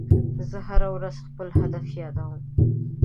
زه هره ورځ خپل هدف یادوم.